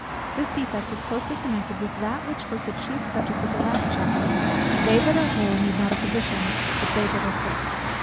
This defect is closely connected with that which was the chief subject of the last chapter: "they that are whole need not a physician, but they that are sick."